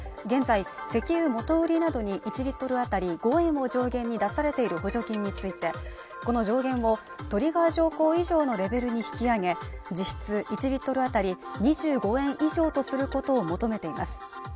現在石油元売りなどに１リットル当たり５円を上限に出されている補助金についてこの上限をトリガー条項以上のレベルに引き上げ実質１リットル当たり２５円以上とすることを求めています